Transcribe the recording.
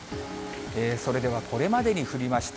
それではこれまでに降りました